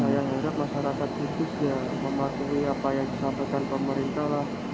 saya harap masyarakat kudus mematuhi apa yang disampaikan pemerintah